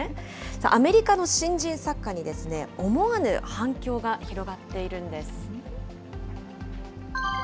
アメリカの新人作家に、思わぬ反響が広がっているんです。